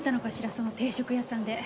その定食屋さんで。